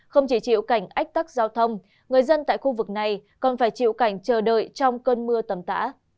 không chỉ chịu cảnh ách tắc giao thông người dân tại khu vực này còn phải chịu cảnh chờ đợi trong cơn mưa tầm tã